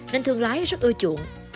nên thương lái rất ưa chuộng